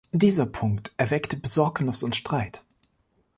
Dieser Punkt erweckte Besorgnis und Streit.